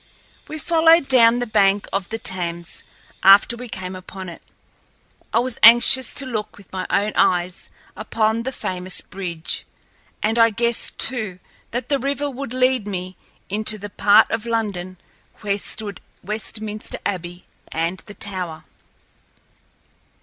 We followed down the bank of the Thames after we came upon it. I was anxious to look with my own eyes upon the famous bridge, and I guessed, too, that the river would lead me into the part of London where stood Westminster Abbey and the Tower.